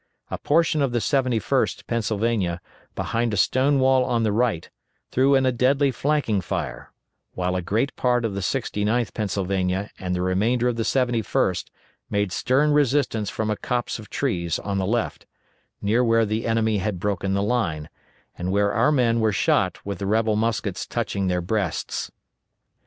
A portion of the 71st Pennsylvania, behind a stone wall on the right, threw in a deadly flanking fire, while a great part of the 69th Pennsylvania and the remainder of the 71st made stern resistance from a copse of trees on the left, near where the enemy had broken the line, and where our men were shot with the rebel muskets touching their breasts.